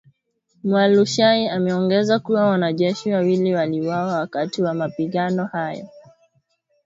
Mualushayi ameongeza kuwa wanajeshi wawili waliuawa wakati wa mapigano hayo